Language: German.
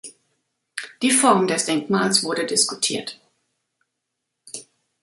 Die Form des Denkmals wurde diskutiert.